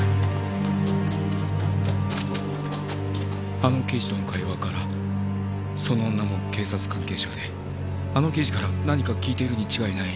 あの刑事との会話からその女も警察関係者であの刑事から何か聞いているに違いない。